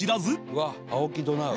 うわっ『青木・ド・ナウ』。